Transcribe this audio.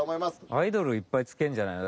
アイドルいっぱい付けんじゃないの？